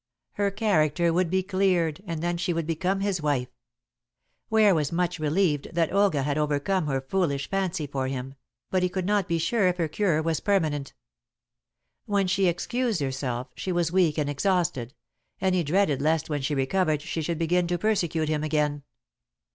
Her character would be cleared, and then she would become his wife. Ware was much relieved that Olga had overcome her foolish fancy for him, but he could not be sure if her cure was permanent. When she excused herself, she was weak and exhausted, and he dreaded lest when she recovered she should begin to persecute him again.